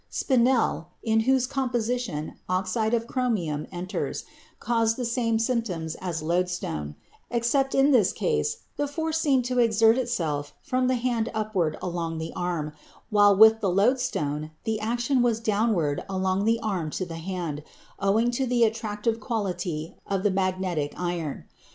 Spinel, in whose composition oxide of chromium enters, caused the same symptoms as loadstone, except that in this case the force seemed to exert itself from the hand upward along the arm, while with the loadstone the action was downward along the arm to the hand, owing to the attractive quality of this magnetic iron.